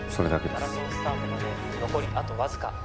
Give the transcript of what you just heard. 「マラソンスタートまで残りあとわずか」